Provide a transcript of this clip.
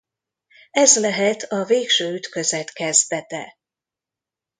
Ez lehet a végső ütközet kezdete.